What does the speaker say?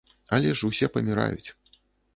Але ж усе паміраюць.